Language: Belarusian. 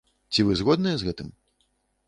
Ці вы згодныя з гэтым?